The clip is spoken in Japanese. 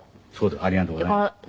ありがとうございます。